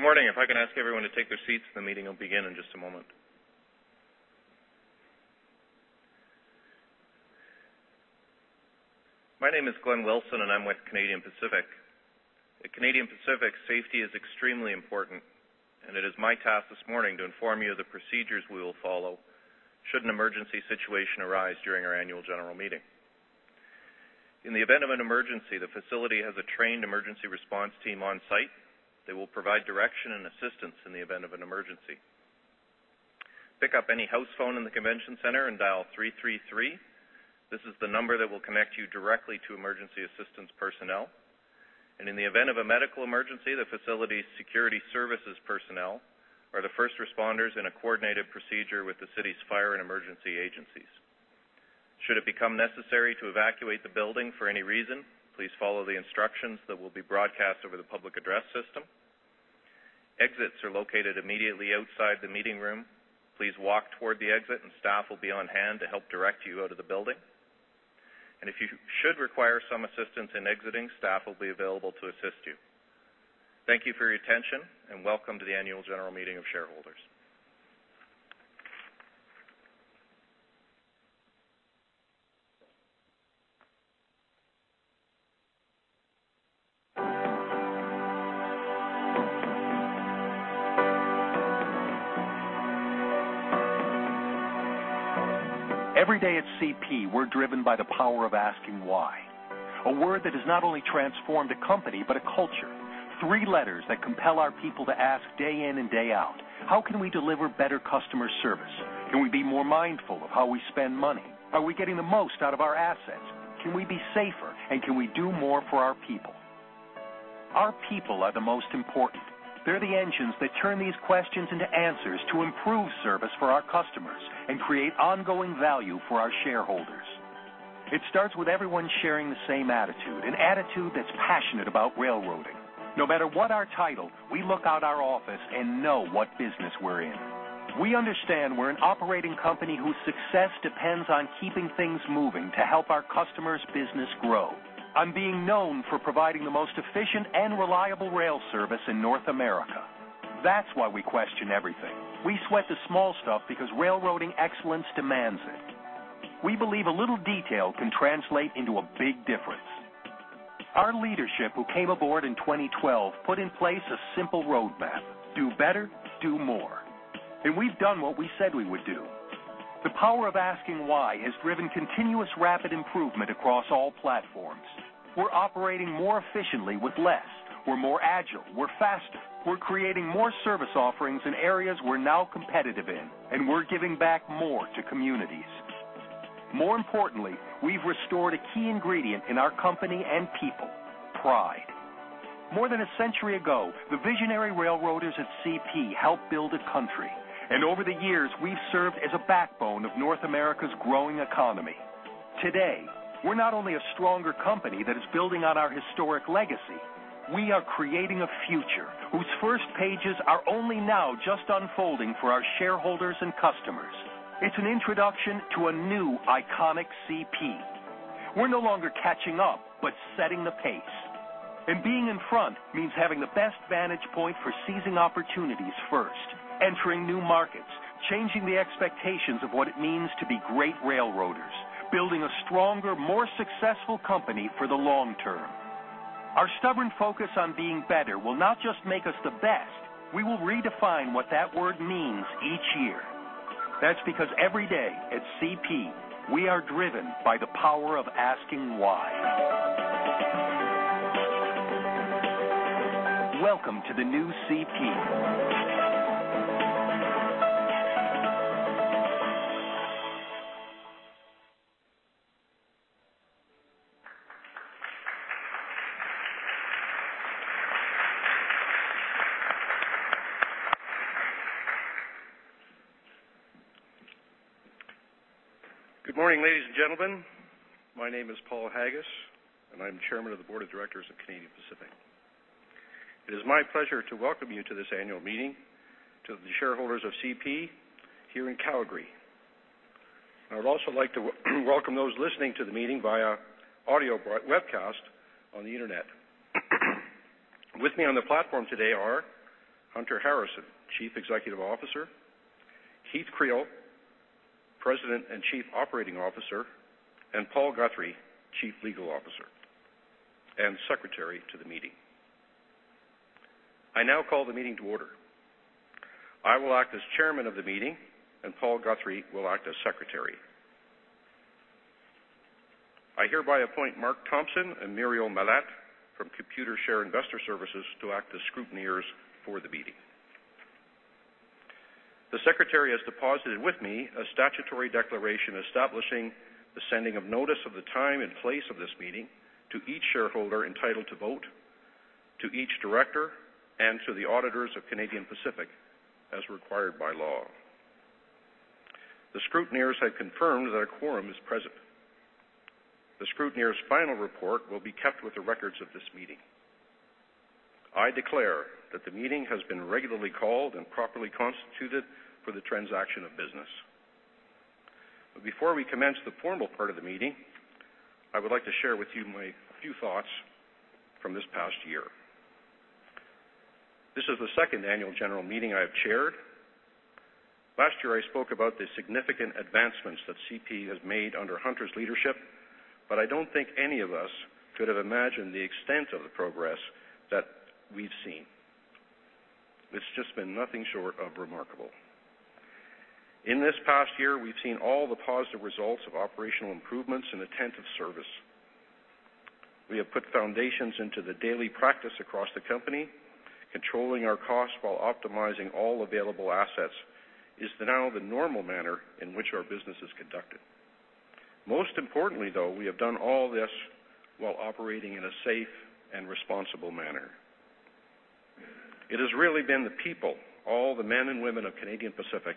Good morning. If I can ask everyone to take their seats, the meeting will begin in just a moment. My name is Glenn Wilson, and I'm with Canadian Pacific. At Canadian Pacific, safety is extremely important, and it is my task this morning to inform you of the procedures we will follow should an emergency situation arise during our annual general meeting. In the event of an emergency, the facility has a trained emergency response team on site. They will provide direction and assistance in the event of an emergency. Pick up any house phone in the convention center and dial 333. This is the number that will connect you directly to emergency assistance personnel. In the event of a medical emergency, the facility's security services personnel are the first responders in a coordinated procedure with the city's fire and emergency agencies. Should it become necessary to evacuate the building for any reason, please follow the instructions that will be broadcast over the public address system. Exits are located immediately outside the meeting room. Please walk toward the exit, and staff will be on hand to help direct you out of the building. If you should require some assistance in exiting, staff will be available to assist you. Thank you for your attention, and welcome to the annual general meeting of shareholders. Every day at CP, we're driven by the power of asking why. A word that has not only transformed a company but a culture. Three letters that compel our people to ask day in and day out: How can we deliver better customer service? Can we be more mindful of how we spend money? Are we getting the most out of our assets? Can we be safer, and can we do more for our people? Our people are the most important. They're the engines that turn these questions into answers to improve service for our customers and create ongoing value for our shareholders. It starts with everyone sharing the same attitude, an attitude that's passionate about railroading. No matter what our title, we look out our office and know what business we're in. We understand we're an operating company whose success depends on keeping things moving to help our customers' business grow. I'm being known for providing the most efficient and reliable rail service in North America. That's why we question everything. We sweat the small stuff because railroading excellence demands it. We believe a little detail can translate into a big difference. Our leadership, who came aboard in 2012, put in place a simple roadmap: Do better. Do more. And we've done what we said we would do. The power of asking why has driven continuous rapid improvement across all platforms. We're operating more efficiently with less. We're more agile. We're faster. We're creating more service offerings in areas we're now competitive in, and we're giving back more to communities. More importantly, we've restored a key ingredient in our company and people: pride. More than a century ago, the visionary railroaders at CP helped build a country, and over the years, we've served as a backbone of North America's growing economy. Today, we're not only a stronger company that is building on our historic legacy. We are creating a future whose first pages are only now just unfolding for our shareholders and customers. It's an introduction to a new iconic CP. We're no longer catching up but setting the pace. Being in front means having the best vantage point for seizing opportunities first, entering new markets, changing the expectations of what it means to be great railroaders, building a stronger, more successful company for the long term. Our stubborn focus on being better will not just make us the best. We will redefine what that word means each year. That's because every day at CP, we are driven by the power of asking why. Welcome to the new CP. Good morning, ladies and gentlemen. My name is Paul Haggis, and I'm Chairman of the Board of Directors at Canadian Pacific. It is my pleasure to welcome you to this annual meeting, to the shareholders of CP here in Calgary. I would also like to welcome those listening to the meeting via audio webcast on the internet. With me on the platform today are Hunter Harrison, Chief Executive Officer; Keith Creel, President and Chief Operating Officer; and Paul Guthrie, Chief Legal Officer and secretary to the meeting. I now call the meeting to order. I will act as Chairman of the meeting, and Paul Guthrie will act as secretary. I hereby appoint Mark Thompson and Muriel Malette from Computershare Investor Services to act as scrutineers for the meeting. The secretary has deposited with me a statutory declaration establishing the sending of notice of the time and place of this meeting to each shareholder entitled to vote, to each director, and to the auditors of Canadian Pacific as required by law. The scrutineers have confirmed that a quorum is present. The scrutineer's final report will be kept with the records of this meeting. I declare that the meeting has been regularly called and properly constituted for the transaction of business. Before we commence the formal part of the meeting, I would like to share with you my few thoughts from this past year. This is the second annual general meeting I have chaired. Last year, I spoke about the significant advancements that CP has made under Hunter's leadership, but I don't think any of us could have imagined the extent of the progress that we've seen. It's just been nothing short of remarkable. In this past year, we've seen all the positive results of operational improvements and attentive service. We have put foundations into the daily practice across the company. Controlling our costs while optimizing all available assets is now the normal manner in which our business is conducted. Most importantly, though, we have done all this while operating in a safe and responsible manner. It has really been the people, all the men and women of Canadian Pacific,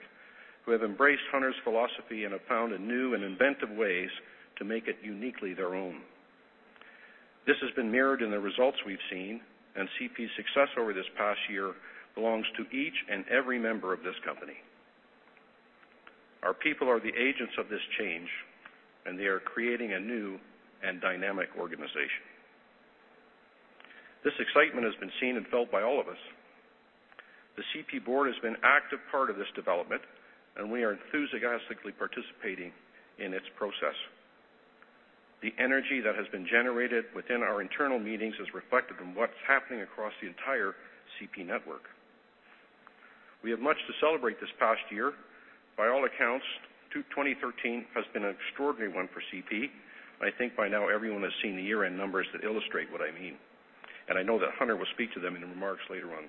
who have embraced Hunter's philosophy and have found new and inventive ways to make it uniquely their own. This has been mirrored in the results we've seen, and CP's success over this past year belongs to each and every member of this company. Our people are the agents of this change, and they are creating a new and dynamic organization. This excitement has been seen and felt by all of us. The CP board has been an active part of this development, and we are enthusiastically participating in its process. The energy that has been generated within our internal meetings is reflected in what's happening across the entire CP network. We have much to celebrate this past year. By all accounts, 2013 has been an extraordinary one for CP. I think by now everyone has seen the year-end numbers that illustrate what I mean, and I know that Hunter will speak to them in remarks later on.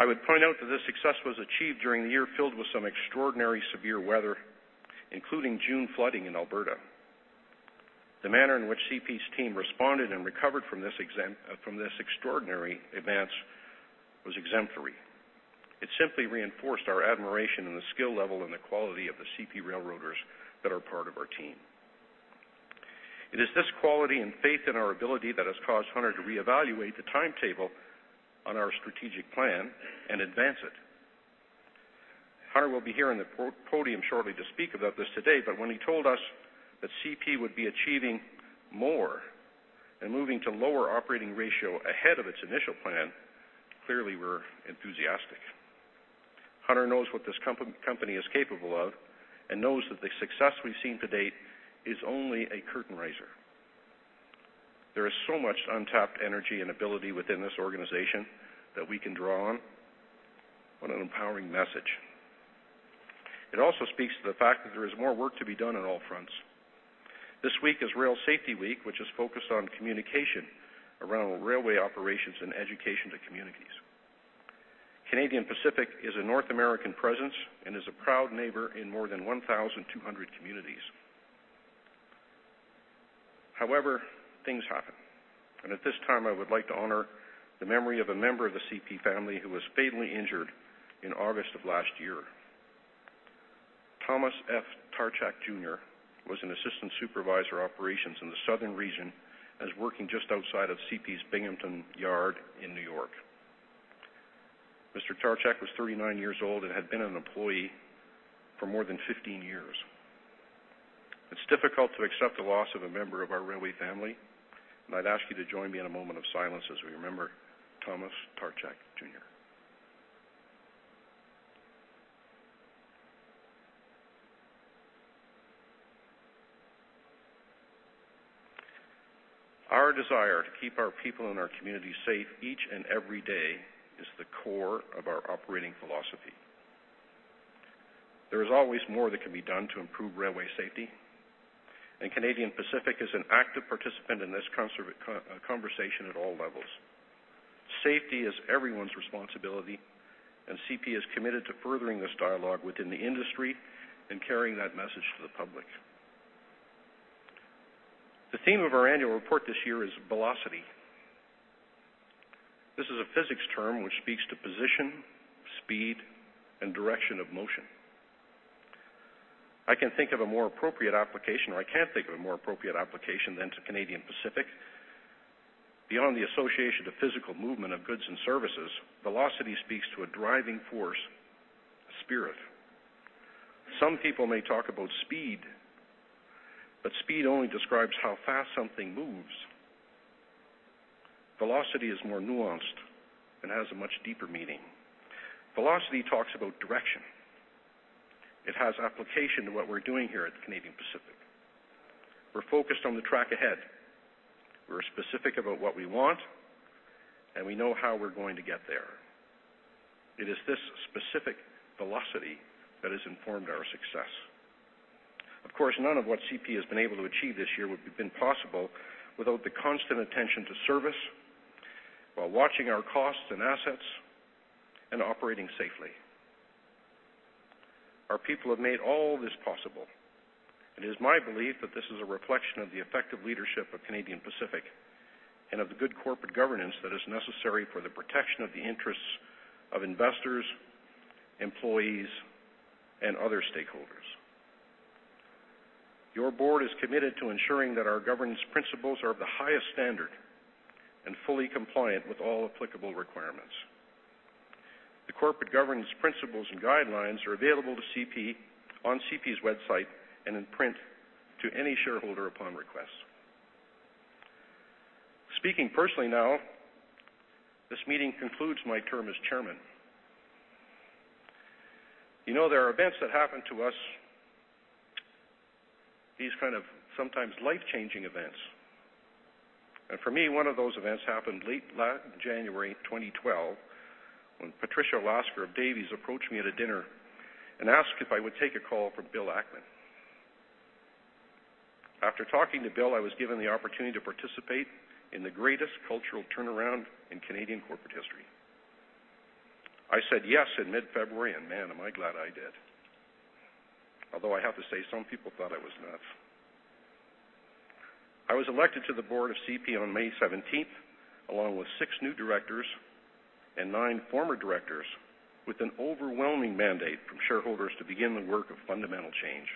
I would point out that this success was achieved during the year filled with some extraordinary severe weather, including June flooding in Alberta. The manner in which CP's team responded and recovered from this extraordinary event was exemplary. It simply reinforced our admiration and the skill level and the quality of the CP railroaders that are part of our team. It is this quality and faith in our ability that has caused Hunter to reevaluate the timetable on our strategic plan and advance it. Hunter will be here on the podium shortly to speak about this today, but when he told us that CP would be achieving more and moving to lower operating ratio ahead of its initial plan, clearly we're enthusiastic. Hunter knows what this company is capable of and knows that the success we've seen to date is only a curtain riser. There is so much untapped energy and ability within this organization that we can draw on. What an empowering message. It also speaks to the fact that there is more work to be done on all fronts. This week is Rail Safety Week, which is focused on communication around railway operations and education to communities. Canadian Pacific is a North American presence and is a proud neighbor in more than 1,200 communities. However, things happen, and at this time, I would like to honor the memory of a member of the CP family who was fatally injured in August of last year. Thomas F. Tarcza Jr. was an assistant supervisor operations in the southern region as working just outside of CP's Binghamton Yard in New York. Mr. Tarcza was 39 years old and had been an employee for more than 15 years. It's difficult to accept the loss of a member of our railway family, and I'd ask you to join me in a moment of silence as we remember Thomas Tarcza Jr. Our desire to keep our people and our communities safe each and every day is the core of our operating philosophy. There is always more that can be done to improve railway safety, and Canadian Pacific is an active participant in this conversation at all levels. Safety is everyone's responsibility, and CP is committed to furthering this dialogue within the industry and carrying that message to the public. The theme of our annual report this year is velocity. This is a physics term which speaks to position, speed, and direction of motion. I can't think of a more appropriate application than to Canadian Pacific. Beyond the association to physical movement of goods and services, velocity speaks to a driving force, a spirit. Some people may talk about speed, but speed only describes how fast something moves. Velocity is more nuanced and has a much deeper meaning. Velocity talks about direction. It has application to what we're doing here at Canadian Pacific. We're focused on the track ahead. We're specific about what we want, and we know how we're going to get there. It is this specific velocity that has informed our success. Of course, none of what CP has been able to achieve this year would have been possible without the constant attention to service while watching our costs and assets and operating safely. Our people have made all this possible, and it is my belief that this is a reflection of the effective leadership of Canadian Pacific and of the good corporate governance that is necessary for the protection of the interests of investors, employees, and other stakeholders. Your board is committed to ensuring that our governance principles are of the highest standard and fully compliant with all applicable requirements. The corporate governance principles and guidelines are available to CP on CP's website and in print to any shareholder upon request. Speaking personally now, this meeting concludes my term as chairman. You know there are events that happen to us, these kind of sometimes life-changing events, and for me, one of those events happened late January 2012 when Patricia Olasker of Davies approached me at a dinner and asked if I would take a call from Bill Ackman. After talking to Bill, I was given the opportunity to participate in the greatest cultural turnaround in Canadian corporate history. I said yes in mid-February, and man, am I glad I did, although I have to say some people thought I was nuts. I was elected to the board of CP on May 17th along with six new directors and nine former directors with an overwhelming mandate from shareholders to begin the work of fundamental change.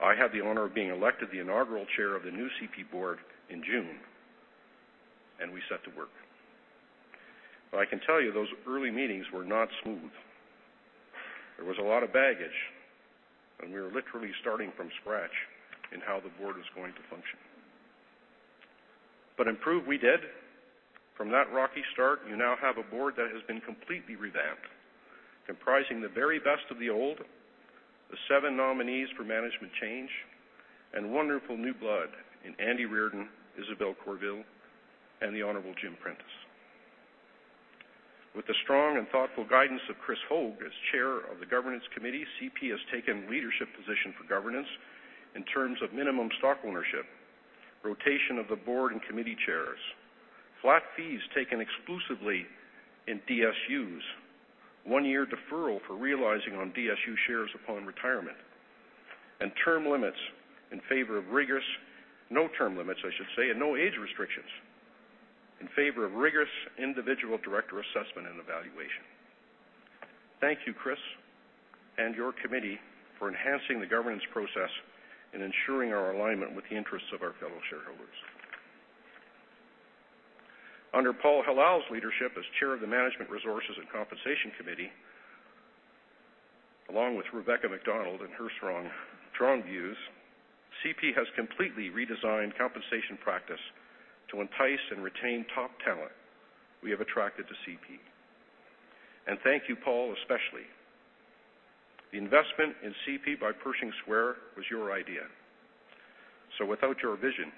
I had the honor of being elected the inaugural chair of the new CP board in June, and we set to work. But I can tell you those early meetings were not smooth. There was a lot of baggage, and we were literally starting from scratch in how the board was going to function. But improve we did. From that rocky start, you now have a board that has been completely revamped, comprising the very best of the old, the seven nominees for management change, and wonderful new blood in Andy Reardon, Isabelle Courville, and the honorable Jim Prentice. With the strong and thoughtful guidance of Krystyne Hoeg as chair of the governance committee, CP has taken leadership position for governance in terms of minimum stock ownership, rotation of the board and committee chairs, flat fees taken exclusively in DSUs, one-year deferral for realizing on DSU shares upon retirement, and term limits in favor of rigorous no-term limits, I should say, and no age restrictions in favor of rigorous individual director assessment and evaluation. Thank you, Chris, and your committee for enhancing the governance process and ensuring our alignment with the interests of our fellow shareholders. Under Paul Hilal's leadership as chair of the management resources and compensation committee, along with Rebecca MacDonald and her strong views, CP has completely redesigned compensation practice to entice and retain top talent we have attracted to CP. Thank you, Paul, especially. The investment in CP by Pershing Square was your idea, so without your vision,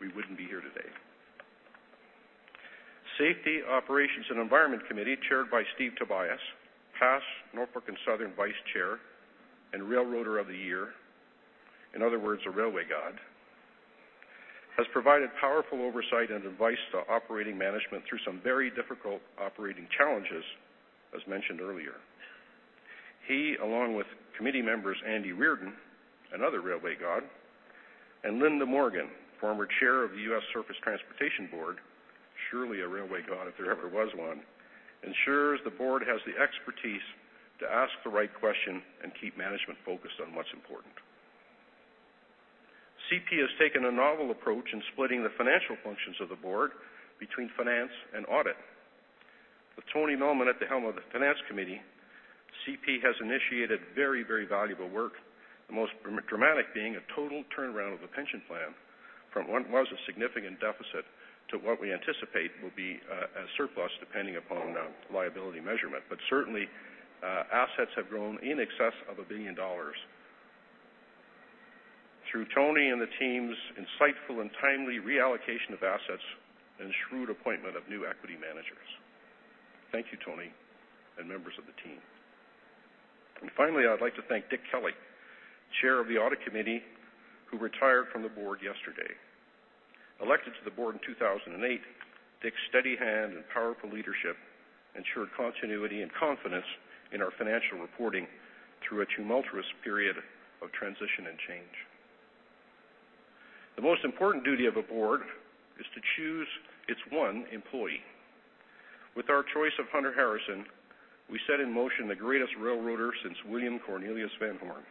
we wouldn't be here today. Safety, Operations, and Environment Committee, chaired by Steve Tobias, past Norfolk Southern vice chair and railroader of the year, in other words, a railway god, has provided powerful oversight and advice to operating management through some very difficult operating challenges, as mentioned earlier. He, along with committee members Andy Reardon, another railway god, and Linda Morgan, former chair of the U.S. Surface Transportation Board, surely a railway god if there ever was one, ensures the board has the expertise to ask the right question and keep management focused on what's important. CP has taken a novel approach in splitting the financial functions of the board between finance and audit. With Tony Melman at the helm of the finance committee, CP has initiated very, very valuable work, the most dramatic being a total turnaround of the pension plan from what was a significant deficit to what we anticipate will be a surplus depending upon liability measurement. But certainly, assets have grown in excess of 1 billion dollars through Tony and the team's insightful and timely reallocation of assets and shrewd appointment of new equity managers. Thank you, Tony, and members of the team. And finally, I'd like to thank Dick Kelly, Chair of the Audit Committee, who retired from the board yesterday. Elected to the board in 2008, Dick's steady hand and powerful leadership ensured continuity and confidence in our financial reporting through a tumultuous period of transition and change. The most important duty of a board is to choose its one employee. With our choice of Hunter Harrison, we set in motion the greatest railroader since William Cornelius Van Horne.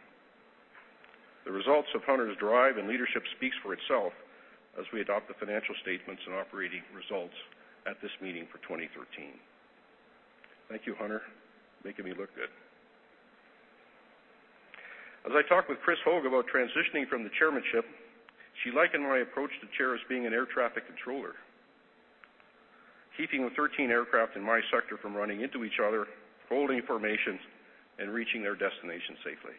The results of Hunter's drive and leadership speak for itself as we adopt the financial statements and operating results at this meeting for 2013. Thank you, Hunter, making me look good. As I talked with Krystyne Hoeg about transitioning from the chairmanship, she likened my approach to chair as being an air traffic controller, keeping the 13 aircraft in my sector from running into each other, holding formations, and reaching their destination safely.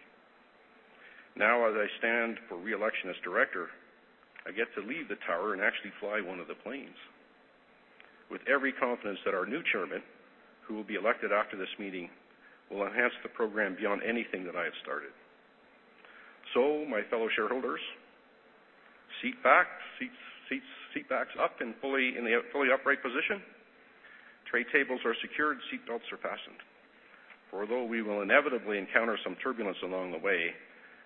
Now, as I stand for reelection as director, I get to leave the tower and actually fly one of the planes with every confidence that our new chairman, who will be elected after this meeting, will enhance the program beyond anything that I have started. So, my fellow shareholders, seatbacks up and fully upright position. Tray tables are secured. Seat belts are fastened. For though we will inevitably encounter some turbulence along the way,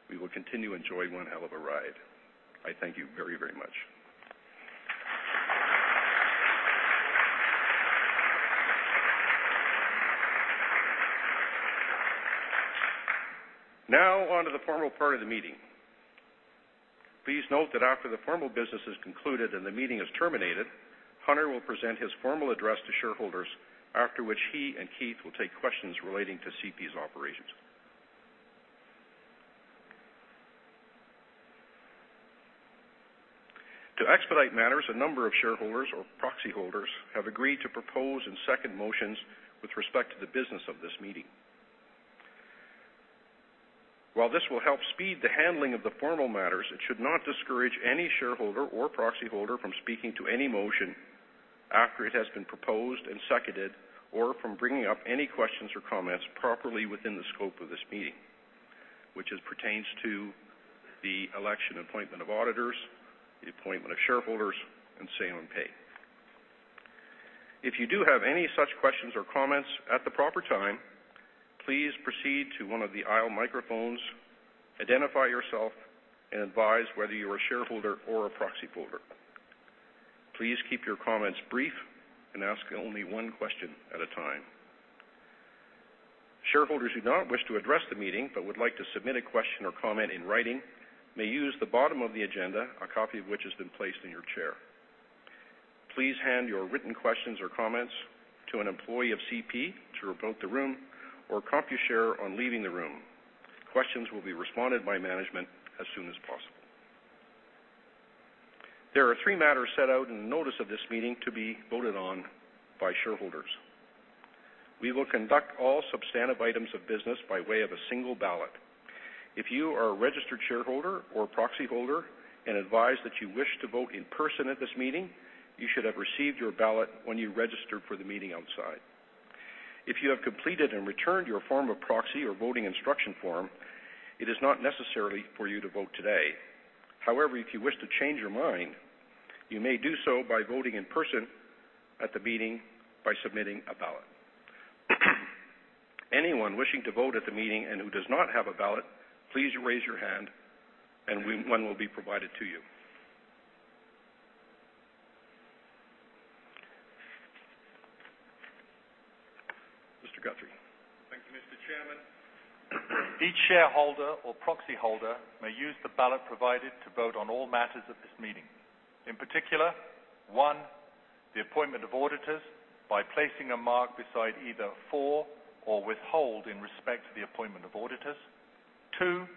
we will continue to enjoy one hell of a ride. I thank you very, very much. Now onto the formal part of the meeting. Please note that after the formal business is concluded and the meeting is terminated, Hunter will present his formal address to shareholders, after which he and Keith will take questions relating to CP's operations. To expedite matters, a number of shareholders or proxy holders have agreed to propose and second motions with respect to the business of this meeting. While this will help speed the handling of the formal matters, it should not discourage any shareholder or proxy holder from speaking to any motion after it has been proposed and seconded, or from bringing up any questions or comments properly within the scope of this meeting, which pertains to the election, appointment of auditors, the appointment of shareholders, and salary and pay. If you do have any such questions or comments at the proper time, please proceed to one of the aisle microphones, identify yourself, and advise whether you are a shareholder or a proxy holder. Please keep your comments brief and ask only one question at a time. Shareholders who do not wish to address the meeting but would like to submit a question or comment in writing may use the bottom of the agenda, a copy of which has been placed in your chair. Please hand your written questions or comments to an employee of CP to roam the room or Computershare on leaving the room. Questions will be responded to by management as soon as possible. There are three matters set out in the notice of this meeting to be voted on by shareholders. We will conduct all substantive items of business by way of a single ballot. If you are a registered shareholder or proxy holder and advise that you wish to vote in person at this meeting, you should have received your ballot when you registered for the meeting outside. If you have completed and returned your form of proxy or voting instruction form, it is not necessary for you to vote today. However, if you wish to change your mind, you may do so by voting in person at the meeting by submitting a ballot. Anyone wishing to vote at the meeting and who does not have a ballot, please raise your hand, and one will be provided to you. Mr. Guthrie. Thank you, Mr. Chairman. Each shareholder or proxy holder may use the ballot provided to vote on all matters at this meeting. In particular, one, the appointment of auditors by placing a mark beside either for or withhold in respect to the appointment of auditors; two,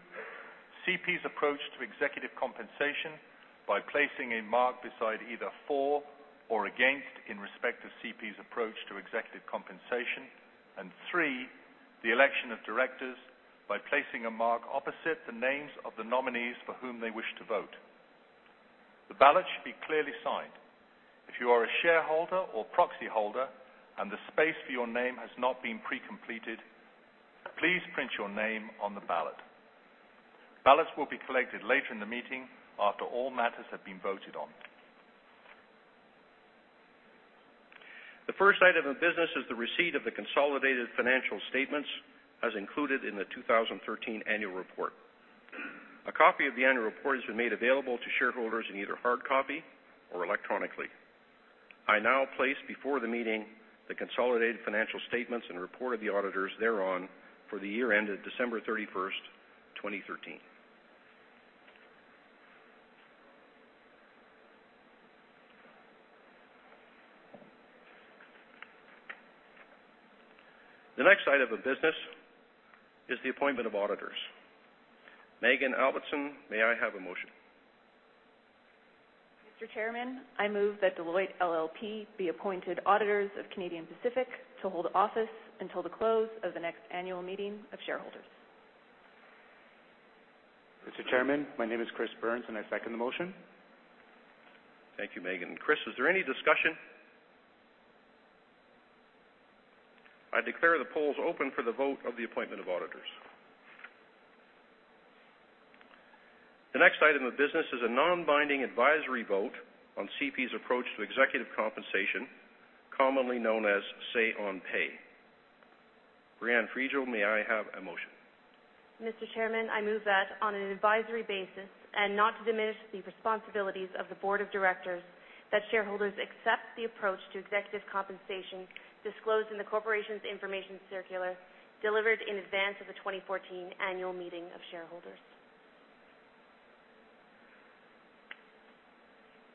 CP's approach to executive compensation by placing a mark beside either for or against in respect to CP's approach to executive compensation; and three, the election of directors by placing a mark opposite the names of the nominees for whom they wish to vote. The ballot should be clearly signed. If you are a shareholder or proxy holder and the space for your name has not been pre-completed, please print your name on the ballot. Ballots will be collected later in the meeting after all matters have been voted on. The first item of business is the receipt of the consolidated financial statements as included in the 2013 annual report. A copy of the annual report has been made available to shareholders in either hard copy or electronically. I now place before the meeting the consolidated financial statements and report of the auditors thereon for the year ended December 31st, 2013. The next item of business is the appointment of auditors. Megan Albertson, may I have a motion? Mr. Chairman, I move that Deloitte LLP be appointed auditors of Canadian Pacific to hold office until the close of the next annual meeting of shareholders. Mr. Chairman, my name is Chris Burns, and I second the motion. Thank you, Megan. Chris, is there any discussion? I declare the polls open for the vote of the appointment of auditors. The next item of business is a non-binding advisory vote on CP's approach to executive compensation, commonly known as say-on-pay. Brianne Fregel, may I have a motion? Mr. Chairman, I move that on an advisory basis and not to diminish the responsibilities of the board of directors that shareholders accept the approach to executive compensation disclosed in the corporation's information circular delivered in advance of the 2014 annual meeting of shareholders.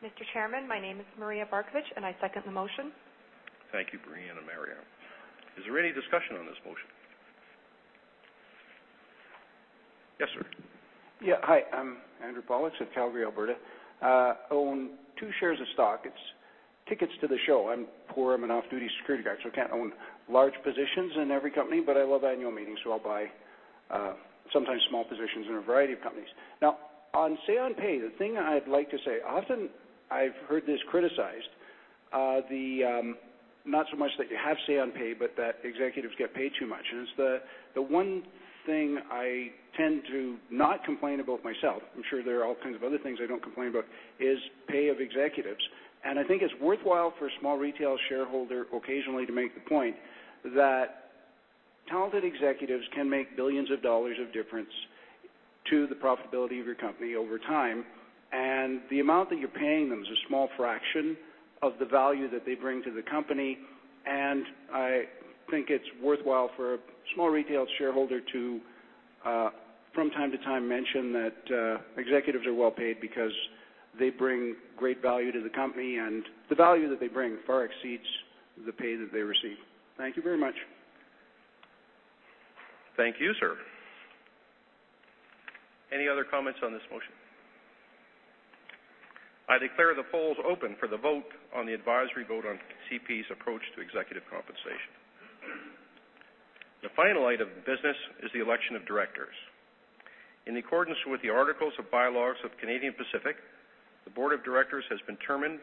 Mr. Chairman, my name is Maria Barkovich, and I second the motion. Thank you, Brianne and Maria. Is there any discussion on this motion? Yes, sir. Yeah, hi. I'm Andrew Pollock at Calgary, Alberta. I own two shares of stock. It's tickets to the show. I'm poor. I'm an off-duty security guard, so I can't own large positions in every company, but I love annual meetings, so I'll buy sometimes small positions in a variety of companies. Now, on Say-on-pay, the thing I'd like to say often I've heard this criticized, not so much that you have Say-on-pay, but that executives get paid too much. It's the one thing I tend to not complain about myself. I'm sure there are all kinds of other things I don't complain about, is pay of executives. I think it's worthwhile for a small retail shareholder occasionally to make the point that talented executives can make billions of dollars of difference to the profitability of your company over time, and the amount that you're paying them is a small fraction of the value that they bring to the company. I think it's worthwhile for a small retail shareholder to, from time to time, mention that executives are well paid because they bring great value to the company, and the value that they bring far exceeds the pay that they receive. Thank you very much. Thank you, sir. Any other comments on this motion? I declare the polls open for the vote on the advisory vote on CP's approach to executive compensation. The final item of business is the election of directors. In accordance with the articles of bylaws of Canadian Pacific, the board of directors has determined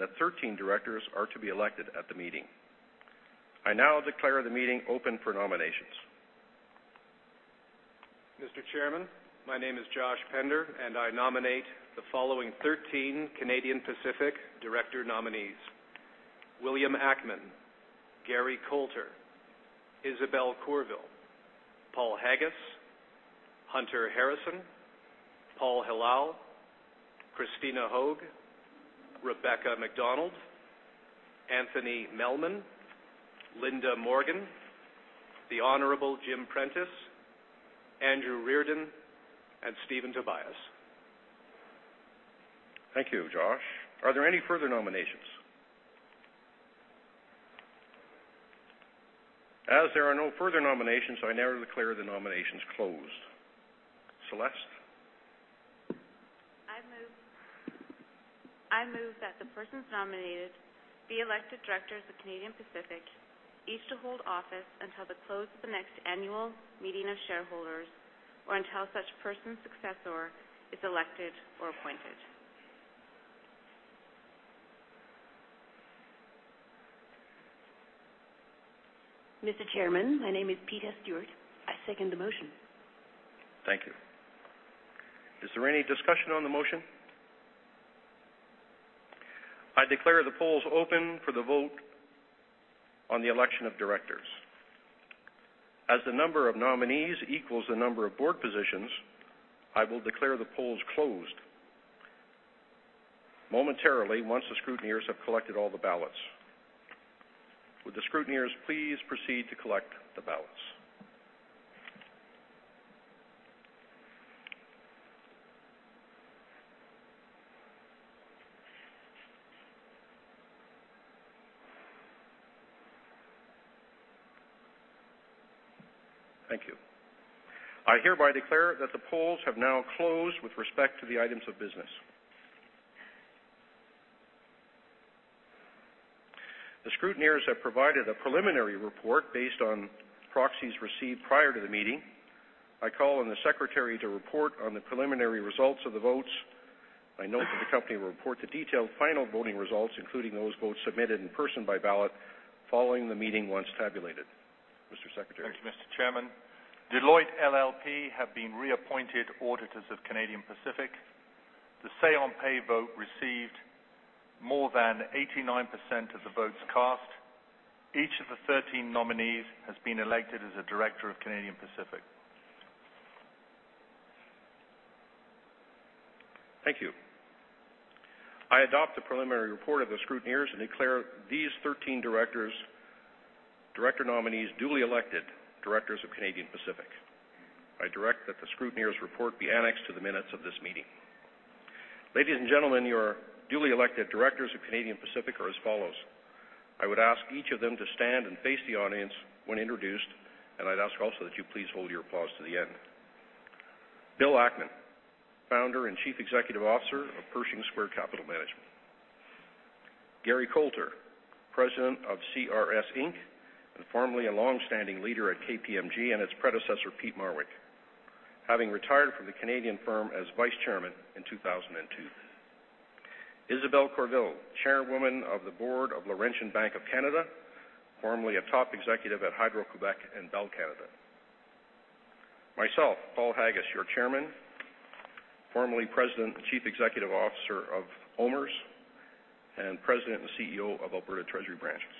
that 13 directors are to be elected at the meeting. I now declare the meeting open for nominations. Mr. Chairman, my name is Josh Pender, and I nominate the following 13 Canadian Pacific director nominees: William Ackman, Gary Colter, Isabelle Courville, Paul Haggis, Hunter Harrison, Paul Hilal, Krystyne Hoeg, Rebecca MacDonald, Anthony Melman, Linda Morgan, the Honorable Jim Prentice, Andrew Reardon, and Stephen Tobias. Thank you, Josh. Are there any further nominations? As there are no further nominations, I now declare the nominations closed. Celeste? I move that the persons nominated be elected directors of Canadian Pacific, each to hold office until the close of the next annual meeting of shareholders or until such person's successor is elected or appointed. Mr. Chairman, my name is Peter Stewart. I second the motion. Thank you. Is there any discussion on the motion? I declare the polls open for the vote on the election of directors. As the number of nominees equals the number of board positions, I will declare the polls closed momentarily once the scrutineers have collected all the ballots. Would the scrutineers please proceed to collect the ballots? Thank you. I hereby declare that the polls have now closed with respect to the items of business. The scrutineers have provided a preliminary report based on proxies received prior to the meeting. I call on the secretary to report on the preliminary results of the votes. I note that the company will report the detailed final voting results, including those votes submitted in person by ballot following the meeting once tabulated. Mr. Secretary? Thank you, Mr. Chairman. Deloitte LLP have been reappointed auditors of Canadian Pacific. The say-on-pay vote received more than 89% of the votes cast. Each of the 13 nominees has been elected as a director of Canadian Pacific. Thank you. I adopt the preliminary report of the scrutineers and declare these 13 directors director nominees duly elected directors of Canadian Pacific. I direct that the scrutineers' report be annexed to the minutes of this meeting. Ladies and gentlemen, your duly elected directors of Canadian Pacific are as follows. I would ask each of them to stand and face the audience when introduced, and I'd ask also that you please hold your applause to the end. Bill Ackman, founder and chief executive officer of Pershing Square Capital Management. Gary Colter, president of CRS Inc. and formerly a longstanding leader at KPMG and its predecessor, Peat Marwick, having retired from the Canadian firm as vice chairman in 2002. Isabelle Courville, chairwoman of the board of Laurentian Bank of Canada, formerly a top executive at Hydro-Québec and Bell Canada. Myself, Paul Haggis, your Chairman, formerly President and Chief Executive Officer of OMERS and President and CEO of Alberta Treasury Branches.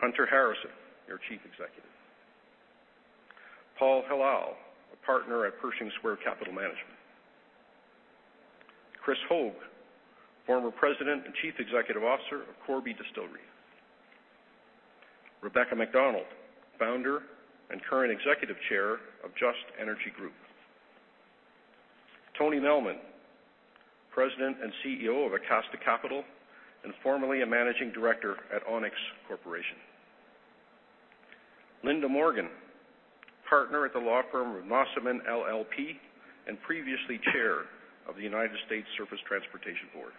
Hunter Harrison, your Chief Executive. Paul Hilal, a partner at Pershing Square Capital Management. Krystyne Hoeg, former President and Chief Executive Officer of Corby Distillery. Rebecca MacDonald, founder and current Executive Chair of Just Energy Group. Tony Melman, President and CEO of Acasta Capital and formerly a Managing Director at Onex Corporation. Linda Morgan, partner at the law firm of Nossaman LLP and previously Chair of the U.S. Surface Transportation Board.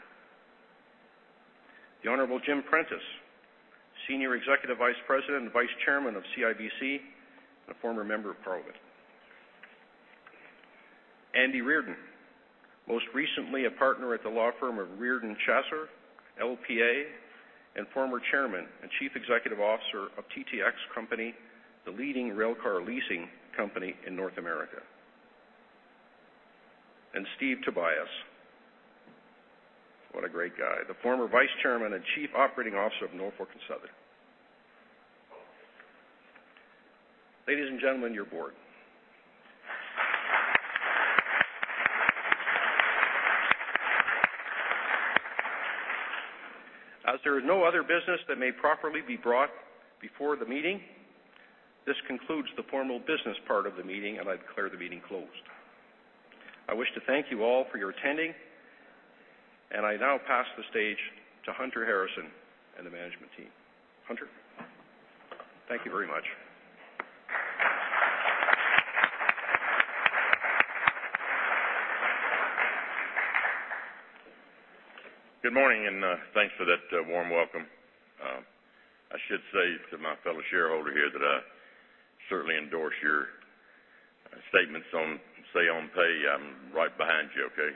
The Honorable Jim Prentice, Senior Executive Vice President and Vice Chairman of CIBC and a former member of Parliament. Andrew Reardon, most recently a partner at the law firm of Reardon & Chasser, LPA, and former Chairman and Chief Executive Officer of TTX Company, the leading railcar leasing company in North America. And Steve Tobias, what a great guy, the former vice chairman and chief operating officer of Norfolk and Southern. Ladies and gentlemen, your board. As there is no other business that may properly be brought before the meeting, this concludes the formal business part of the meeting, and I declare the meeting closed. I wish to thank you all for your attending, and I now pass the stage to Hunter Harrison and the management team. Hunter, thank you very much. Good morning, and thanks for that warm welcome. I should say to my fellow shareholder here that I certainly endorse your statements on say-on-pay. I'm right behind you, okay?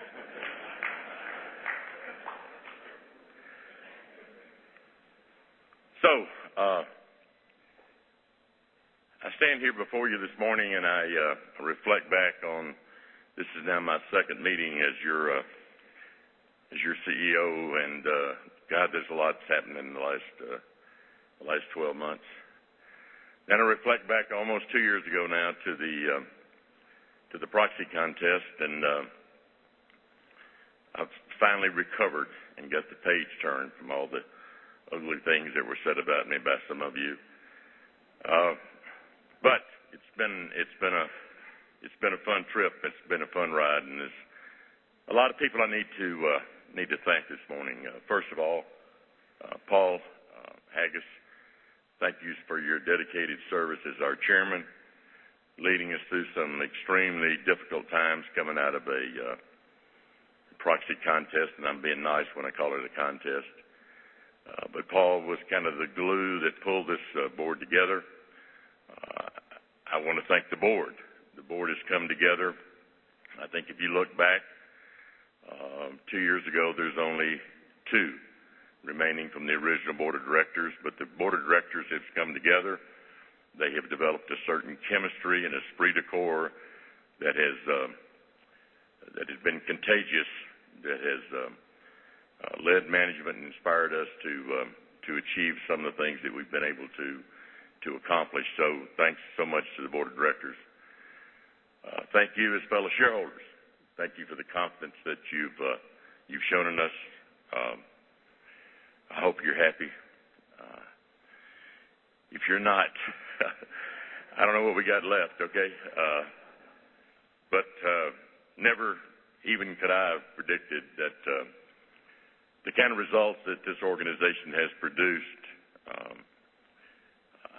So I stand here before you this morning, and I reflect back on this is now my second meeting as your CEO, and God, there's a lot that's happened in the last 12 months. Then I reflect back almost two years ago now to the proxy contest, and I've finally recovered and got the page turned from all the ugly things that were said about me by some of you. But it's been a fun trip. It's been a fun ride. And there's a lot of people I need to thank this morning. First of all, Paul Haggis, thank you for your dedicated service as our Chairman, leading us through some extremely difficult times coming out of a proxy contest, and I'm being nice when I call it a contest. But Paul was kind of the glue that pulled this board together. I want to thank the board. The board has come together. I think if you look back, two years ago, there's only two remaining from the original board of directors. But the board of directors, it's come together. They have developed a certain chemistry and an esprit de corps that has been contagious, that has led management and inspired us to achieve some of the things that we've been able to accomplish. So thanks so much to the board of directors. Thank you, as fellow shareholders. Thank you for the confidence that you've shown in us. I hope you're happy. If you're not, I don't know what we got left, okay? But never even could I have predicted that the kind of results that this organization has produced.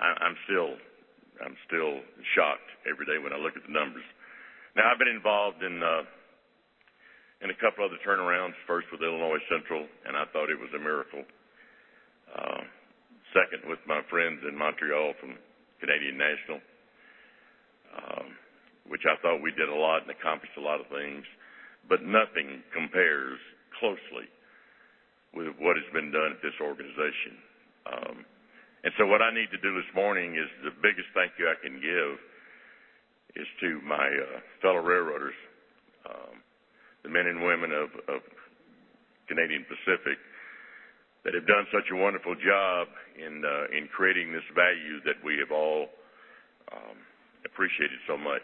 I'm still shocked every day when I look at the numbers. Now, I've been involved in a couple other turnarounds, first with Illinois Central, and I thought it was a miracle. Second, with my friends in Montreal from Canadian National, which I thought we did a lot and accomplished a lot of things. But nothing compares closely with what has been done at this organization. And so what I need to do this morning is the biggest thank you I can give is to my fellow railroaders, the men and women of Canadian Pacific, that have done such a wonderful job in creating this value that we have all appreciated so much.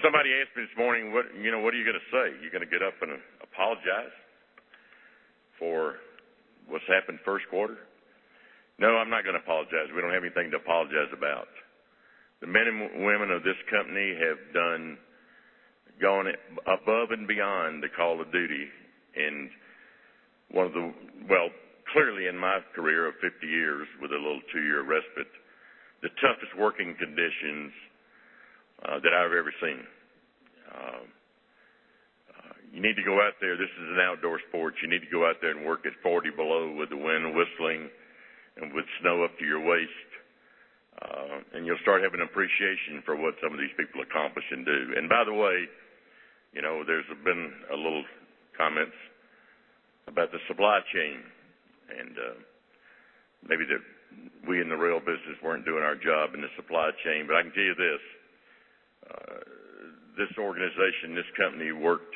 Somebody asked me this morning, "What are you going to say? You're going to get up and apologize for what's happened first quarter?" No, I'm not going to apologize. We don't have anything to apologize about. The men and women of this company have gone above and beyond the call of duty in one of the well, clearly, in my career of 50 years with a little two-year respite, the toughest working conditions that I've ever seen. You need to go out there. This is an outdoor sport. You need to go out there and work at 40 below with the wind whistling and with snow up to your waist. You'll start having appreciation for what some of these people accomplish and do. By the way, there's been a little comments about the supply chain, and maybe that we in the rail business weren't doing our job in the supply chain. But I can tell you this. This organization, this company worked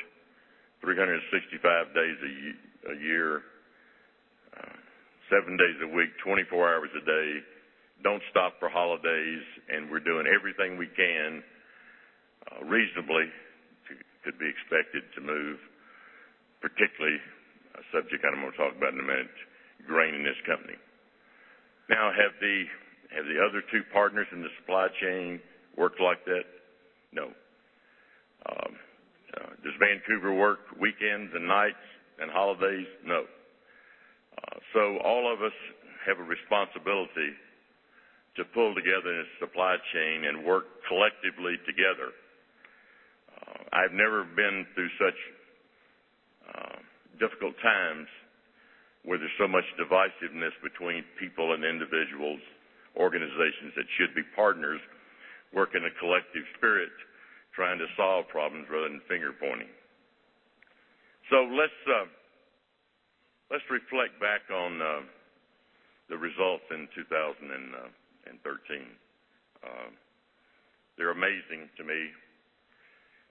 365 days a year, 7 days a week, 24 hours a day, don't stop for holidays, and we're doing everything we can reasonably to be expected to move, particularly a subject I'm going to talk about in a minute, grain in this company. Now, have the other 2 partners in the supply chain worked like that? No. Does Vancouver work weekends and nights and holidays? No. All of us have a responsibility to pull together in the supply chain and work collectively together. I've never been through such difficult times where there's so much divisiveness between people and individuals, organizations that should be partners working in a collective spirit trying to solve problems rather than finger-pointing. Let's reflect back on the results in 2013. They're amazing to me.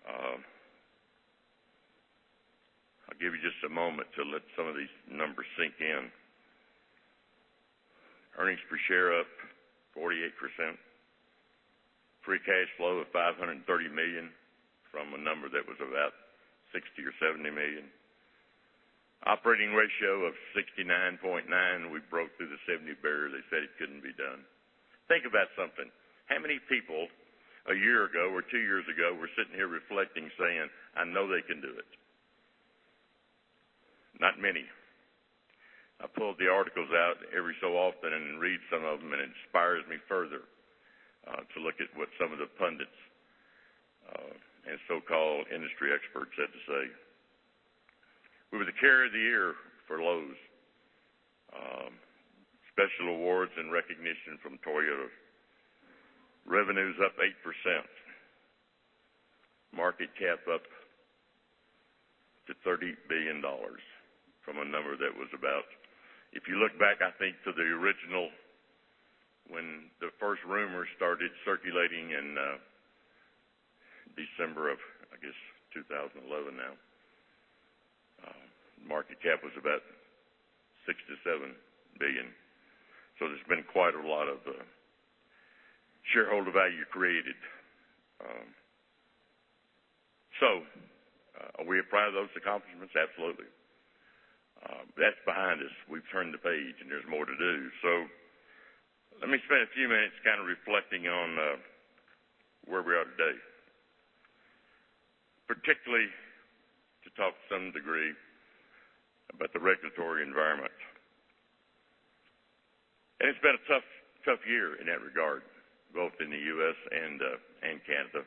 I'll give you just a moment to let some of these numbers sink in. Earnings per share up 48%. Free cash flow of $530 million from a number that was about $60 million or $70 million. Operating ratio of 69.9%. We broke through the 70% barrier. They said it couldn't be done. Think about something. How many people a year ago or two years ago were sitting here reflecting, saying, "I know they can do it"? Not many. I pull the articles out every so often and read some of them, and it inspires me further to look at what some of the pundits and so-called industry experts had to say. We were the carrier of the year for Lowe's. Special awards and recognition from Toyota. Revenues up 8%. Market cap up to $30 billion from a number that was about if you look back, I think, to the original when the first rumors started circulating in December of, I guess, 2011 now, market cap was about $6 billion-$7 billion. So there's been quite a lot of shareholder value created. So are we prideful of those accomplishments? Absolutely. That's behind us. We've turned the page, and there's more to do. So let me spend a few minutes kind of reflecting on where we are today, particularly to talk to some degree about the regulatory environment. And it's been a tough year in that regard, both in the U.S. and Canada.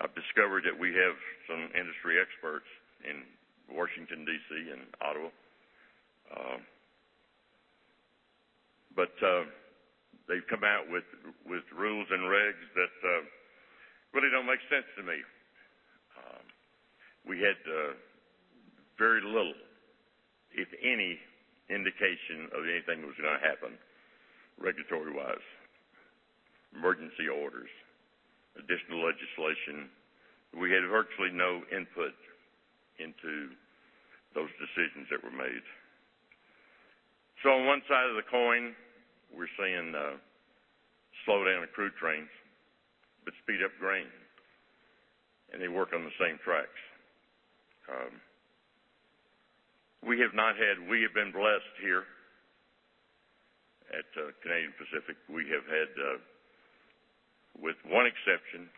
I've discovered that we have some industry experts in Washington, D.C., and Ottawa. But they've come out with rules and regs that really don't make sense to me. We had very little, if any, indication of anything that was going to happen regulatory-wise, emergency orders, additional legislation. We had virtually no input into those decisions that were made. So on one side of the coin, we're seeing slow down the crude trains but speed up grain. And they work on the same tracks. We have been blessed here at Canadian Pacific. With one exception,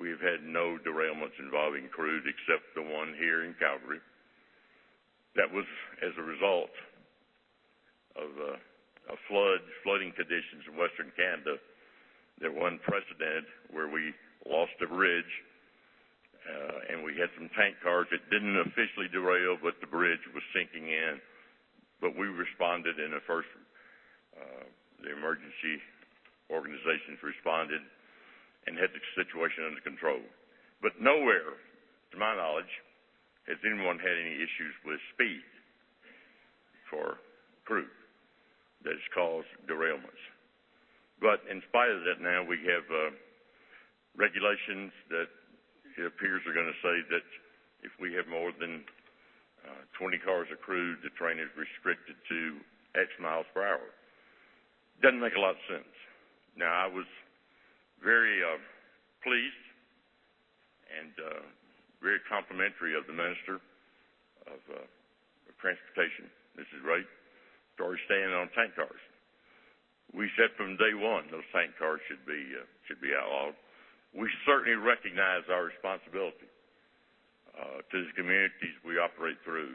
we have had no derailments involving crude except the one here in Calgary. That was as a result of flooding conditions in Western Canada. There were unprecedented floods where we lost a bridge, and we had some tank cars that didn't officially derail, but the bridge was sinking in. But we responded. First, the emergency organizations responded and had the situation under control. But nowhere, to my knowledge, has anyone had any issues with speed for crude that has caused derailments. But in spite of that, now we have regulations that it appears are going to say that if we have more than 20 cars of crude, the train is restricted to 40 miles per hour. Doesn't make a lot of sense. Now, I was very pleased and very complimentary of the Minister of Transportation, Mrs. Raitt, for her stance on tank cars. We said from day one those tank cars should be outlawed. We certainly recognize our responsibility to the communities we operate through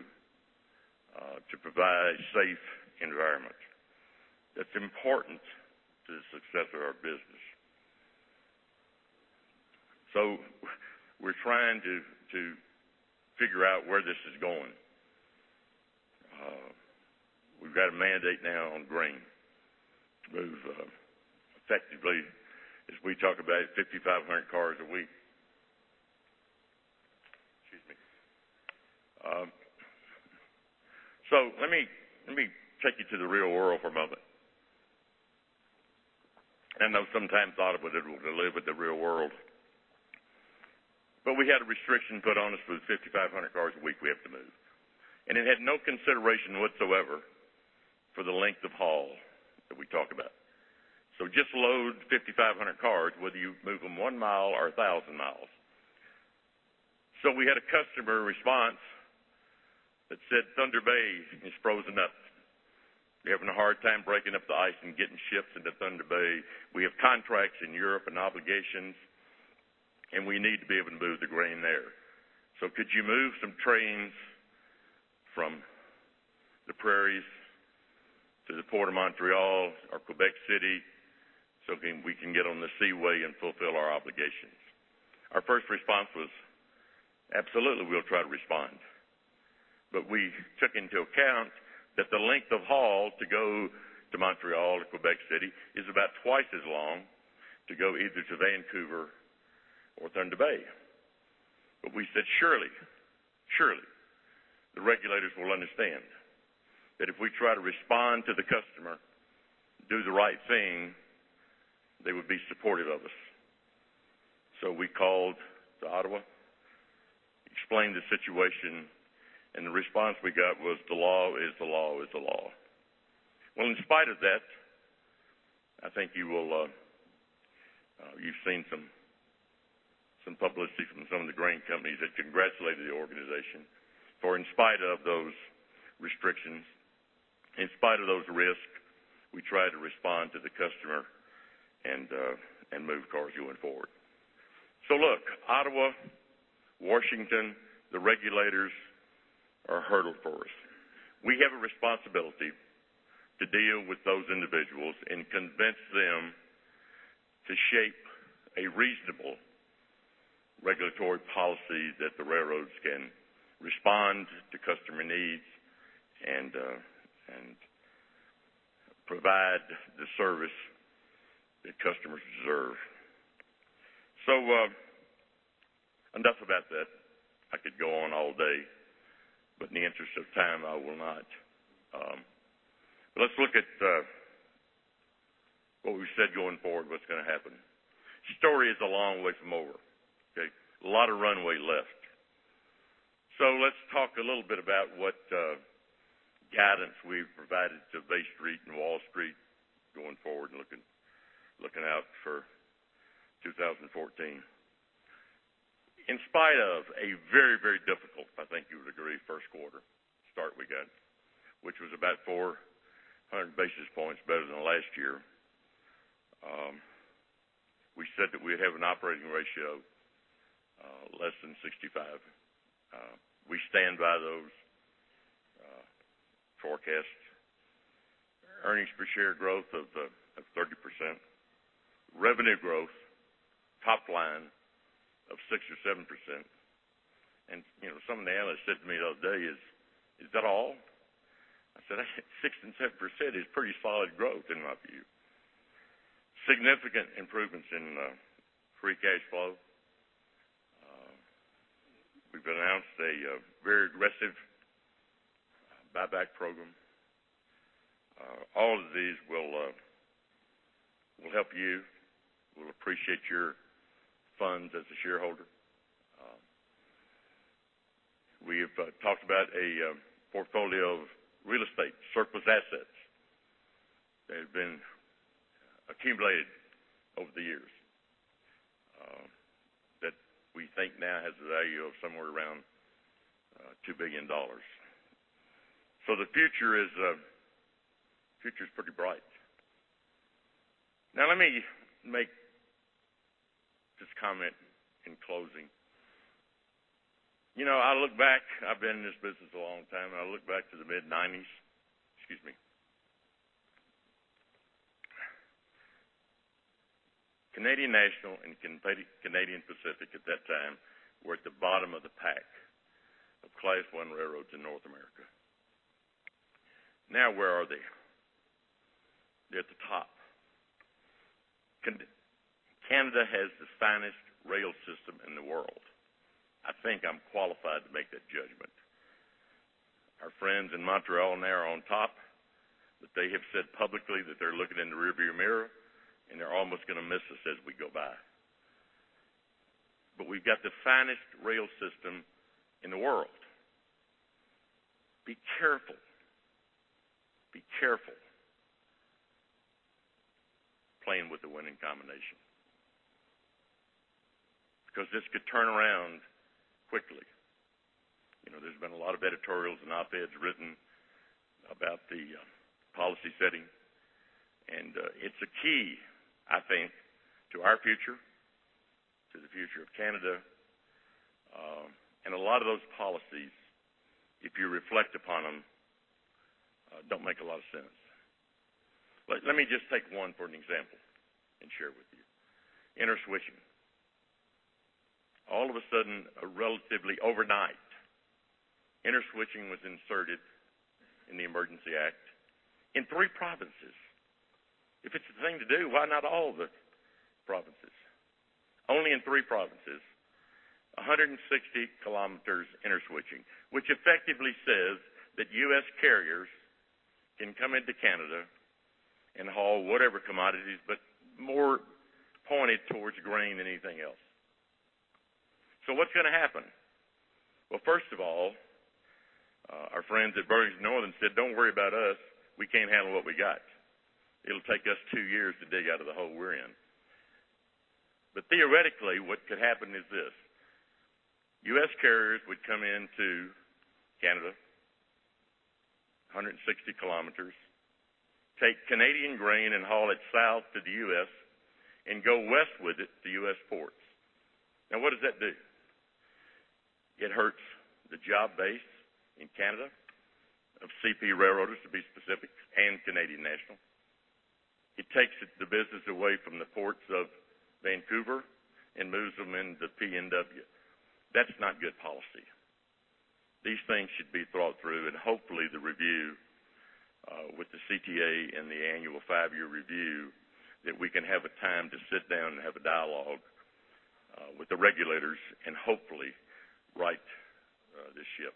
to provide a safe environment. That's important to the success of our business. So we're trying to figure out where this is going. We've got a mandate now on grain to move effectively, as we talk about it, 5,500 cars a week. Excuse me. So let me take you to the real world for a moment. I know sometimes audible, it will deliver the real world. But we had a restriction put on us with 5,500 cars a week we have to move. And it had no consideration whatsoever for the length of haul that we talk about. So just load 5,500 cars, whether you move them 1 mile or 1,000 miles. So we had a customer response that said, "Thunder Bay is frozen up. We're having a hard time breaking up the ice and getting ships into Thunder Bay. We have contracts in Europe and obligations, and we need to be able to move the grain there. So could you move some trains from the prairies to the port of Montreal or Quebec City so we can get on the seaway and fulfill our obligations? Our first response was, "Absolutely, we'll try to respond." But we took into account that the length of haul to go to Montreal or Quebec City is about twice as long to go either to Vancouver or Thunder Bay. But we said, "Surely, surely, the regulators will understand that if we try to respond to the customer, do the right thing, they would be supportive of us." So we called to Ottawa, explained the situation, and the response we got was, "The law is the law is the law." Well, in spite of that, I think you've seen some publicity from some of the grain companies that congratulated the organization for in spite of those restrictions, in spite of those risks, we tried to respond to the customer and move cars going forward. So look, Ottawa, Washington, the regulators are a hurdle for us. We have a responsibility to deal with those individuals and convince them to shape a reasonable regulatory policy that the railroads can respond to customer needs and provide the service that customers deserve. And that's about that. I could go on all day, but in the interest of time, I will not. But let's look at what we said going forward, what's going to happen. Story is a long way from over, okay? A lot of runway left. So let's talk a little bit about what guidance we've provided to Bay Street and Wall Street going forward and looking out for 2014. In spite of a very, very difficult, I think you would agree, first quarter start we got, which was about 400 basis points better than last year, we said that we would have an operating ratio less than 65. We stand by those forecasts. Earnings per share growth of 30%. Revenue growth top line of 6%-7%. And some of the analysts said to me the other day, "Is that all?" I said, "6% and 7% is pretty solid growth in my view." Significant improvements in free cash flow. We've announced a very aggressive buyback program. All of these will help you. We'll appreciate your funds as a shareholder. We have talked about a portfolio of real estate, surplus assets that have been accumulated over the years that we think now has a value of somewhere around $2 billion. So the future is pretty bright. Now, let me make just comment in closing. I look back. I've been in this business a long time, and I look back to the mid-1990s—excuse me—Canadian National and Canadian Pacific at that time were at the bottom of the pack of Class I railroads in North America. Now, where are they? They're at the top. Canada has the finest rail system in the world. I think I'm qualified to make that judgment. Our friends in Montreal, and they're on top, but they have said publicly that they're looking in the rearview mirror, and they're almost going to miss us as we go by. But we've got the finest rail system in the world. Be careful. Be careful playing with the winning combination because this could turn around quickly. There's been a lot of editorials and op-eds written about the policy setting. It's a key, I think, to our future, to the future of Canada. A lot of those policies, if you reflect upon them, don't make a lot of sense. Let me just take one for an example and share with you interswitching. All of a sudden, relatively overnight, interswitching was inserted in the Emergency Act in three provinces. If it's the thing to do, why not all the provinces? Only in 3 provinces, 160 km interswitching, which effectively says that U.S. carriers can come into Canada and haul whatever commodities but more pointed towards grain than anything else. So what's going to happen? Well, first of all, our friends at Burlington Northern said, "Don't worry about us. We can't handle what we got. It'll take us 2 years to dig out of the hole we're in." But theoretically, what could happen is this. U.S. carriers would come into Canada, 160 km, take Canadian grain and haul it south to the U.S., and go west with it to U.S. ports. Now, what does that do? It hurts the job base in Canada of CP railroaders, to be specific, and Canadian National. It takes the business away from the ports of Vancouver and moves them into PNW. That's not good policy. These things should be thought through, and hopefully, the review with the CTA and the annual five-year review that we can have a time to sit down and have a dialogue with the regulators and hopefully right this ship.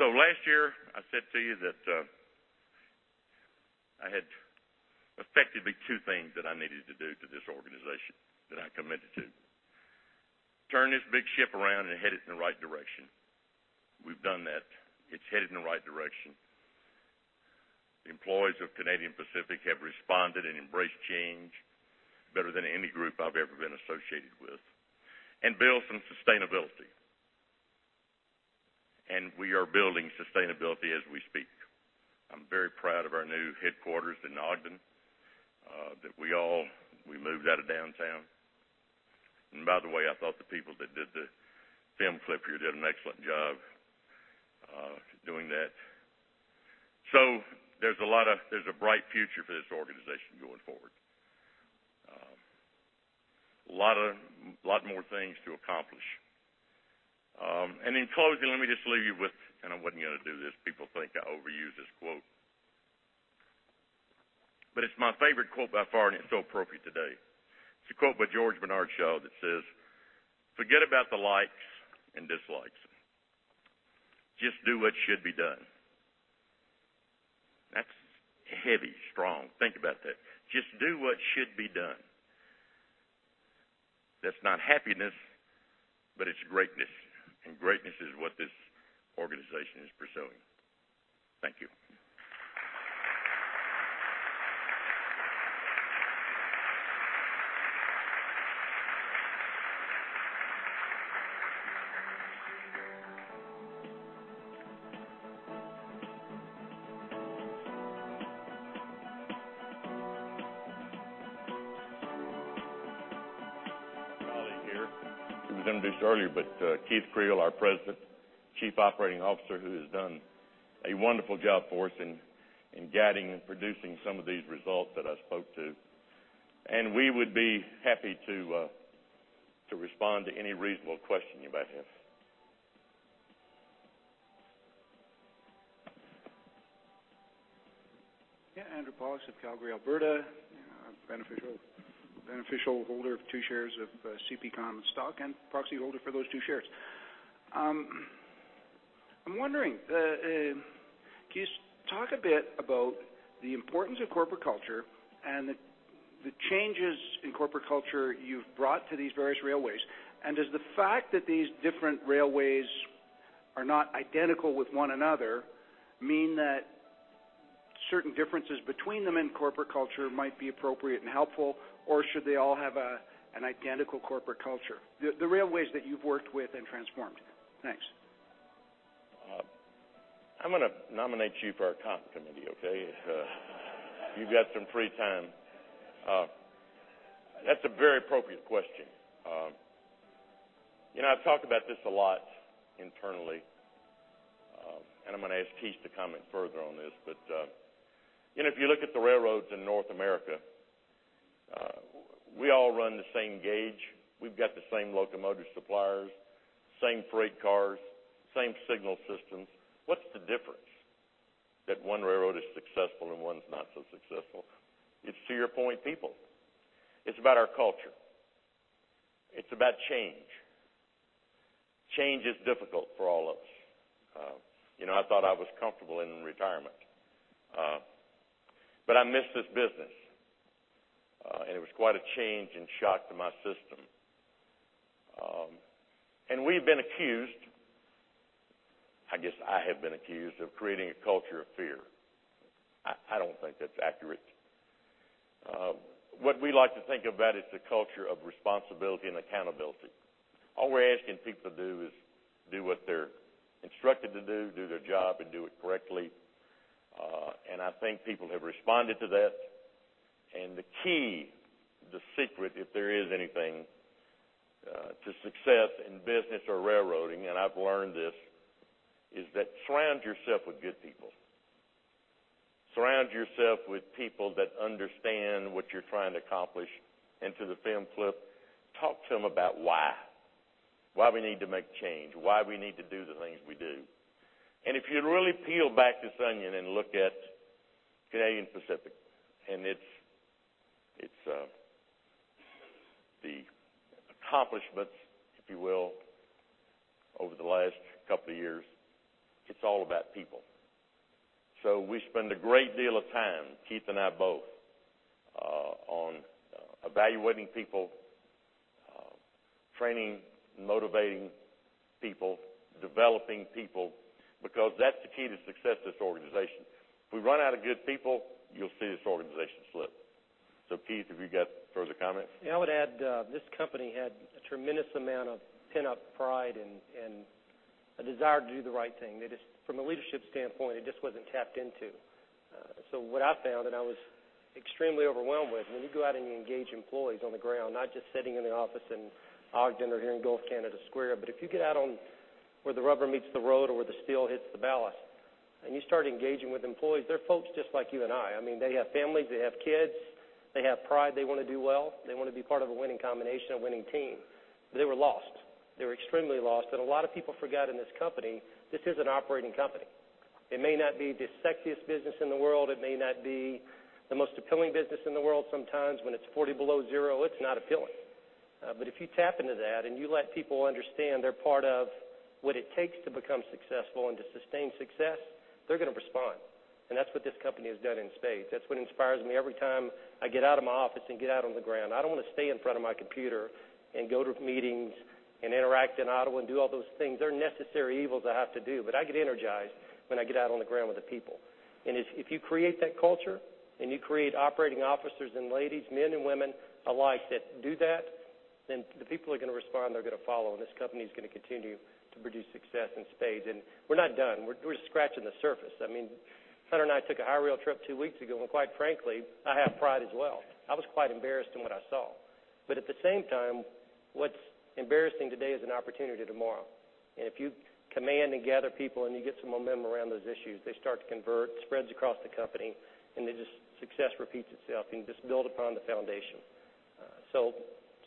So last year, I said to you that I had effectively two things that I needed to do to this organization that I committed to: turn this big ship around and head it in the right direction. We've done that. It's headed in the right direction. The employees of Canadian Pacific have responded and embraced change better than any group I've ever been associated with and built some sustainability. And we are building sustainability as we speak. I'm very proud of our new headquarters in Ogden that we moved out of downtown. By the way, I thought the people that did the film clip here did an excellent job doing that. So there's a lot, there's a bright future for this organization going forward, a lot more things to accomplish. In closing, let me just leave you with, and I wasn't going to do this. People think I overuse this quote. But it's my favorite quote by far, and it's so appropriate today. It's a quote by George Bernard Shaw that says, "Forget about the likes and dislikes. Just do what should be done." That's heavy, strong. Think about that. Just do what should be done. That's not happiness, but it's greatness. And greatness is what this organization is pursuing. Thank you. My colleague here. He was introduced earlier, but Keith Creel, our President, Chief Operating Officer who has done a wonderful job for us in guiding and producing some of these results that I spoke to. We would be happy to respond to any reasonable question you might have. Yeah. Andrew Pollock of Calgary, Alberta. Beneficial holder of 2 shares of CP Common Stock and proxy holder for those 2 shares. I'm wondering, can you talk a bit about the importance of corporate culture and the changes in corporate culture you've brought to these various railways? And does the fact that these different railways are not identical with one another mean that certain differences between them in corporate culture might be appropriate and helpful, or should they all have an identical corporate culture? The railways that you've worked with and transformed. Thanks. I'm going to nominate you for our top committee, okay? If you've got some free time. That's a very appropriate question. I've talked about this a lot internally, and I'm going to ask Keith to comment further on this. But if you look at the railroads in North America, we all run the same gauge. We've got the same locomotive suppliers, same freight cars, same signal systems. What's the difference that one railroad is successful and one's not so successful? It's, to your point, people. It's about our culture. It's about change. Change is difficult for all of us. I thought I was comfortable in retirement, but I missed this business, and it was quite a change and shock to my system. And we've been accused I guess I have been accused of creating a culture of fear. I don't think that's accurate. What we like to think about is the culture of responsibility and accountability. All we're asking people to do is do what they're instructed to do, do their job, and do it correctly. I think people have responded to that. The key, the secret, if there is anything, to success in business or railroading - and I've learned this - is that surround yourself with good people. Surround yourself with people that understand what you're trying to accomplish. And to the film clip, talk to them about why, why we need to make change, why we need to do the things we do. If you really peel back this onion and look at Canadian Pacific and its accomplishments, if you will, over the last couple of years, it's all about people. We spend a great deal of time, Keith and I both, on evaluating people, training, motivating people, developing people because that's the key to success in this organization. If we run out of good people, you'll see this organization slip. So Keith, have you got further comments? Yeah. I would add this company had a tremendous amount of pent-up pride and a desire to do the right thing. From a leadership standpoint, it just wasn't tapped into. So what I found, and I was extremely overwhelmed with, when you go out and you engage employees on the ground, not just sitting in the office in Ogden or here in Gulf Canada Square, but if you get out on where the rubber meets the road or where the steel hits the ballast and you start engaging with employees, they're folks just like you and I. I mean, they have families. They have kids. They have pride. They want to do well. They want to be part of a winning combination, a winning team. But they were lost. They were extremely lost. A lot of people forgot in this company, this is an operating company. It may not be the sexiest business in the world. It may not be the most appealing business in the world. Sometimes when it's 40 below zero, it's not appealing. But if you tap into that and you let people understand they're part of what it takes to become successful and to sustain success, they're going to respond. And that's what this company has done in spades. That's what inspires me every time I get out of my office and get out on the ground. I don't want to stay in front of my computer and go to meetings and interact in Ottawa and do all those things. They're necessary evils I have to do. But I get energized when I get out on the ground with the people. And if you create that culture and you create operating officers and ladies, men and women alike that do that, then the people are going to respond. They're going to follow. And this company is going to continue to produce success in spades. And we're not done. We're scratching the surface. I mean, Hunter and I took a hi-rail trip two weeks ago. And quite frankly, I have pride as well. I was quite embarrassed in what I saw. But at the same time, what's embarrassing today is an opportunity tomorrow. And if you command and gather people and you get some momentum around those issues, they start to convert, spreads across the company, and success repeats itself. And you just build upon the foundation. So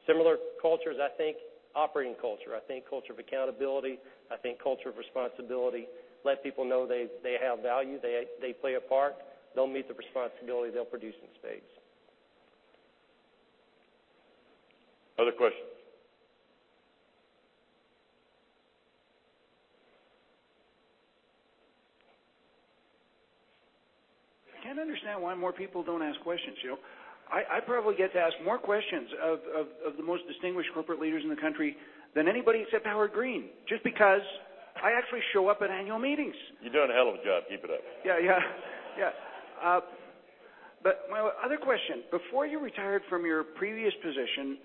similar cultures, I think, operating culture. I think culture of accountability. I think culture of responsibility. Let people know they have value. They play a part. They'll meet the responsibility they'll produce in spades. Other questions? I can't understand why more people don't ask questions. I probably get to ask more questions of the most distinguished corporate leaders in the country than anybody except Howard Green just because I actually show up at annual meetings. You're doing a hell of a job. Keep it up. Yeah. Yeah. Yeah. But my other question, before you retired from your previous position,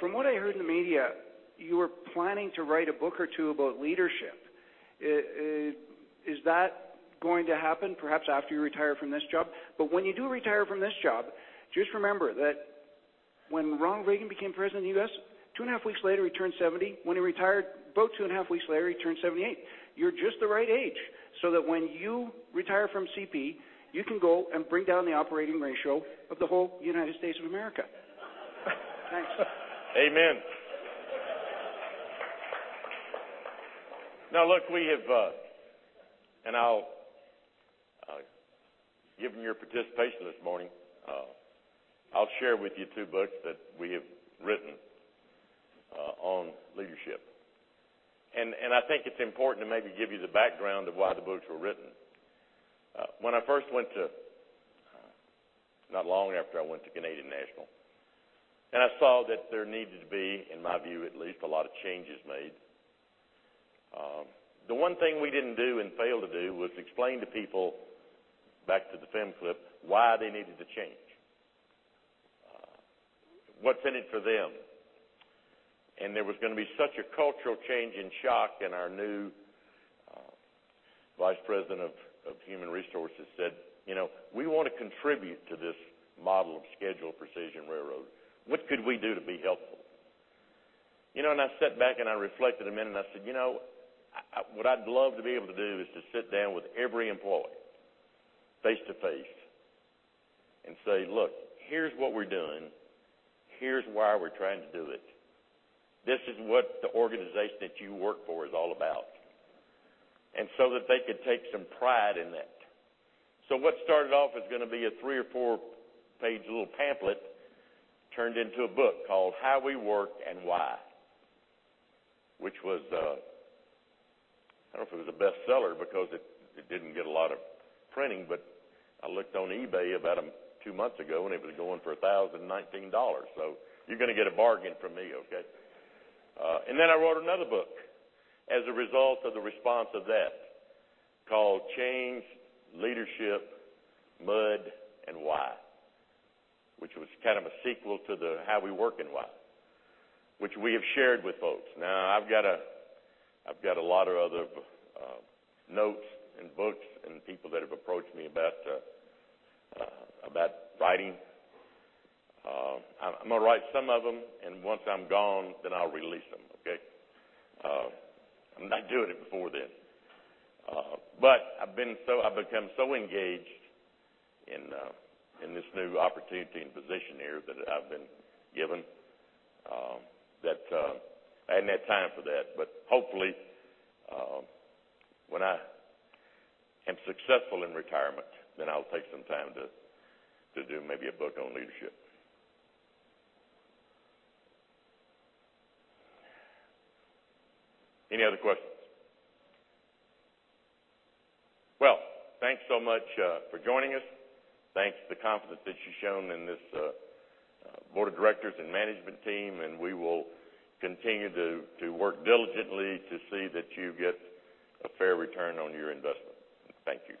from what I heard in the media, you were planning to write a book or two about leadership. Is that going to happen perhaps after you retire from this job? But when you do retire from this job, just remember that when Ronald Reagan became president of the U.S., 2.5 weeks later, he turned 70. When he retired, about 2.5 weeks later, he turned 78. You're just the right age so that when you retire from CP, you can go and bring down the operating ratio of the whole United States of America. Thanks. Amen. Now, look, we have, and I'll, given your participation this morning, I'll share with you two books that we have written on leadership. And I think it's important to maybe give you the background of why the books were written. When I first went to, not long after I went to Canadian National, and I saw that there needed to be, in my view at least, a lot of changes made, the one thing we didn't do and failed to do was explain to people, back to the film clip, why they needed to change, what's in it for them. There was going to be such a cultural change and shock, and our new vice president of human resources said, "We want to contribute to this model of scheduled precision railroad. What could we do to be helpful?" I sat back, and I reflected a minute, and I said, "What I'd love to be able to do is to sit down with every employee face-to-face and say, 'Look, here's what we're doing. Here's why we're trying to do it. This is what the organization that you work for is all about.'" So that they could take some pride in that. So what started off as going to be a 3 or 4-page little pamphlet turned into a book called How We Work and Why, which was I don't know if it was a bestseller because it didn't get a lot of printing, but I looked on eBay about 2 months ago, and it was going for $1,019. So you're going to get a bargain from me, okay? And then I wrote another book as a result of the response of that called Change, Leadership, Mud, and Why, which was kind of a sequel to the How We Work and Why, which we have shared with folks. Now, I've got a lot of other notes and books and people that have approached me about writing. I'm going to write some of them, and once I'm gone, then I'll release them, okay? I'm not doing it before then. But I've become so engaged in this new opportunity and position here that I've been given that I hadn't had time for that. But hopefully, when I am successful in retirement, then I'll take some time to do maybe a book on leadership. Any other questions? Well, thanks so much for joining us. Thanks for the confidence that you've shown in this board of directors and management team. And we will continue to work diligently to see that you get a fair return on your investment. Thank you.